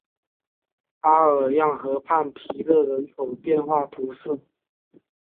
阿尔让河畔皮热人口变化图示